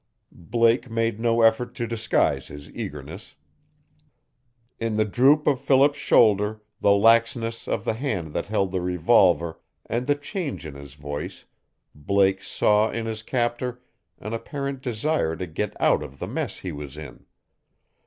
Blake made no effort to disguise his eagerness. In the droop of Philip's shoulder, the laxness of the hand that held the revolver and the change in his voice Blake saw in his captor an apparent desire to get out of the mess he was in.